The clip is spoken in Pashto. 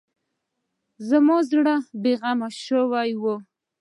زما زړه بې غمه شوی و.